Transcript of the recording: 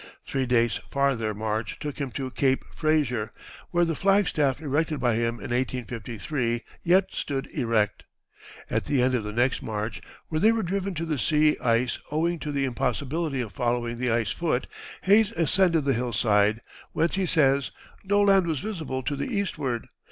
Three days' farther march took him to Cape Frazier, where the flagstaff erected by him in 1853 yet stood erect. At the end of the next march, where they were driven to the sea ice owing to the impossibility of following the ice foot, Hayes ascended the hillside, whence, he says, "No land was visible to the eastward.